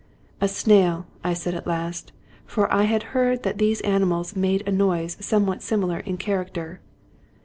" A snail," I said at last ; for I had heard that these ani mals make a noise somewhat similar in character.